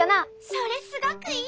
それすごくいい。